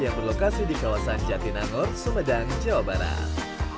yang berlokasi di kawasan jatinangor sumedang jawa barat